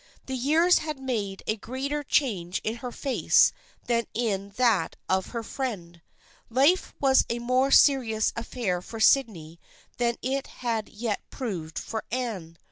The years had made a greater change in her face than in that of her friend. Life was a more serious affair for Sydney than it had yet proved for Anne.